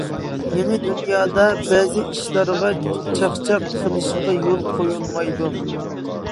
يېڭى دۇنيادا، بەزى ئىشلارغا چاقچاق قىلىشقا يول قويۇلمايدۇ.